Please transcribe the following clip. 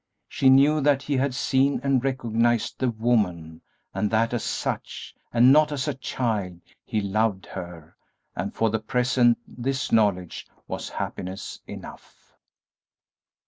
She knew that he had seen and recognized the woman, and that as such and not as a child he loved her, and for the present this knowledge was happiness enough.